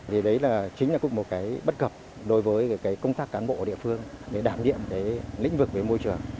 thì đấy là chính là cũng một cái bất cập đối với cái công tác cán bộ địa phương để đảm điểm cái lĩnh vực về môi trường